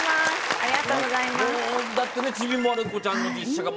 ありがとうございます。